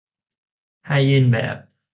ให้ยื่นแบบ